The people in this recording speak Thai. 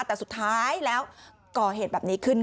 แต่สุดท้ายแล้วก่อเหตุแบบนี้ขึ้น